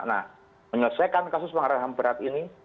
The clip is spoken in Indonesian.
nah menyelesaikan kasus pelanggaran ham berat ini